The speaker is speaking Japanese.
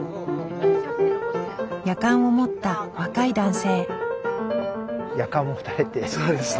やかんを持った若い男性。